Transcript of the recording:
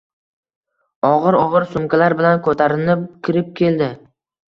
og’ir-og’ir sumkalar bilan ko’tarinib kirib keldi.